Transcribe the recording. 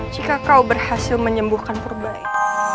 jika kau berhasil menyembuhkan purbai